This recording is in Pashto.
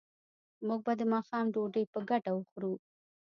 موږ به د ماښام ډوډۍ په ګډه وخورو